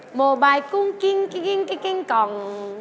มโมไบล์กุ้งกิ้งกิ้งกิ้ง